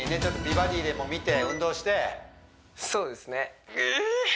ちょっと「美バディ」でも見て運動してそうですねうーっ！